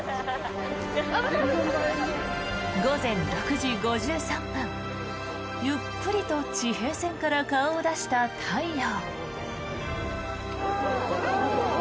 午前６時５３分ゆっくりと地平線から顔を出した太陽。